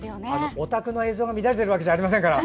お宅の映像が乱れてるわけじゃありませんから。